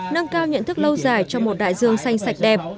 nâng cao nhận thức lâu dài cho một đại dương xanh sạch đẹp